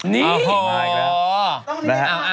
นี่อ่าว